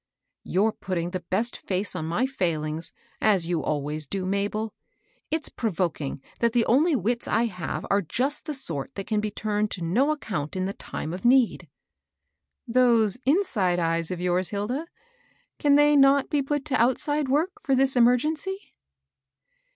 "You're putting the best face on my filings, 106 MABEL BOSS. as yon always do, Mabel. It's provoking that the only wits I have are just the sort that can be turned to no account in the time of need I "" Those inside eyes of yours, Hilda, — can they not be put to outside work for this emergency